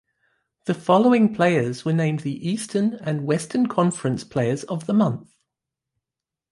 The following players were named the Eastern and Western Conference Players of the Month.